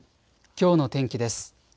きょうの天気です。